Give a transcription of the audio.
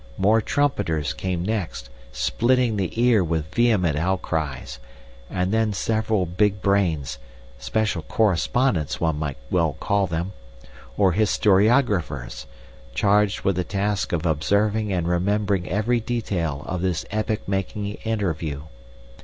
More trumpeters came next, splitting the ear with vehement outcries, and then several big brains, special correspondents one might well call them, or historiographers, charged with the task of observing and remembering every detail of this epoch making interview.